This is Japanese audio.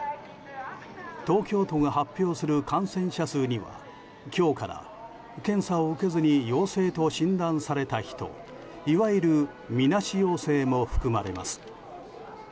東京都が発表する感染者数には今日から、検査を受けずに陽性と診断された人いわゆるみなし陽性も含まれます。